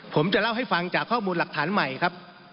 ผมจะเล่าให้ฟังจากข้อมูลหลักฐานใหม่ครับ